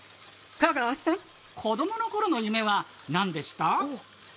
香川さん、子供の頃の夢は何でした？